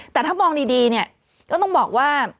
แต่ถ้ามองดีเนี่ยก็ต้องบอกว่า